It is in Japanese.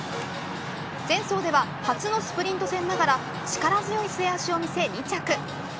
前走では初のスプリント戦ながら力強い末脚を見せ、２着。